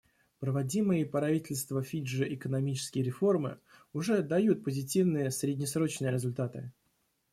Проводимые правительство Фиджи экономические реформы уже дают позитивные среднесрочные результаты.